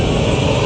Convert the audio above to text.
aku mau ke rumah